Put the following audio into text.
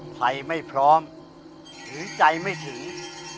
ใครไม่พร้อมถือใจไม่ถึง